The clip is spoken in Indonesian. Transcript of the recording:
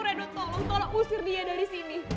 reno tolong usir dia dari sini